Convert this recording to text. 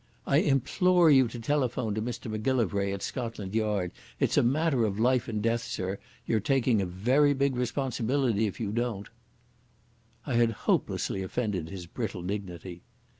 "I implore you to telephone to Mr Macgillivray at Scotland Yard. It's a matter of life and death, Sir. You're taking a very big responsibility if you don't." I had hopelessly offended his brittle dignity.